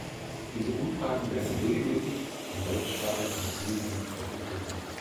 Diese Umfragen werden regelmäßig von deutschsprachigen Medien aufgegriffen.